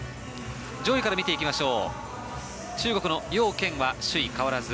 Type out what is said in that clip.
上位から見ていきましょう。